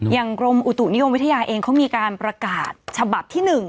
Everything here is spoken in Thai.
อย่างกรมอุตถุนิยมวิทยาเองเค้ามีการประกาศฉบับที่หนึ่ง